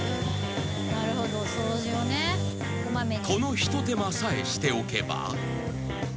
［この一手間さえしておけば］